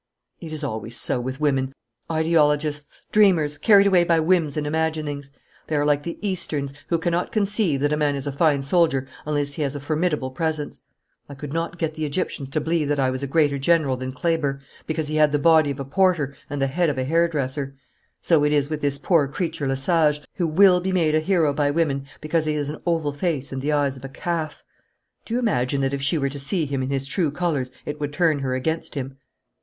'It is always so with women ideologists, dreamers, carried away by whims and imaginings. They are like the Easterns, who cannot conceive that a man is a fine soldier unless he has a formidable presence. I could not get the Egyptians to believe that I was a greater general than Kleber, because he had the body of a porter and the head of a hair dresser. So it is with this poor creature Lesage, who will be made a hero by women because he has an oval face and the eyes of a calf. Do you imagine that if she were to see him in his true colours it would turn her against him?'